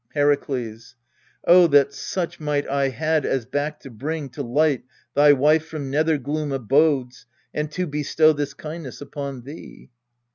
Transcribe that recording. Herakles. Oh, that such might I had as back to bring To light thy wife from nethergloom abodes, And to bestow this kindness upon thee